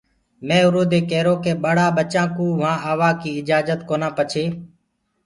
مي اُرو دي ڪيرو ڪي ٻڙآ ٻچآنٚ ڪوُ وهآنٚ آوآڪيٚ اِجآجت ڪونآ پڇي